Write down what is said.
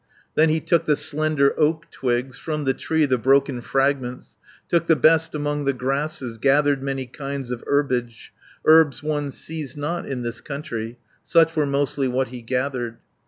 Then he took the slender oak twigs, From the tree the broken fragments, Took the best among the grasses, Gathered many kinds of herbage, 440 Herbs one sees not in this country; Such were mostly what he gathered.